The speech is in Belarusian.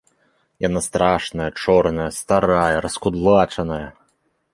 Яна страшная, чорная, старая, раскудлачаная.